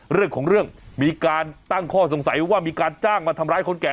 เรื่องของเรื่องมีการตั้งข้อสงสัยว่ามีการจ้างมาทำร้ายคนแก่